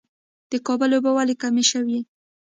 د کابل اوبه ولې کمې شوې؟